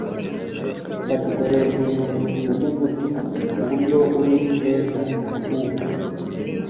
bati dore uyu mudugudu uburyo uri heza nk uko